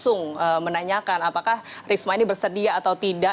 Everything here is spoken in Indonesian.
jadi memang secara untuk langsung menanyakan apakah risma ini bersedia atau tidak